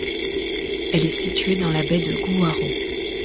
Elle est située dans la baie de Gouaro.